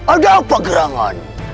ada apa gerangan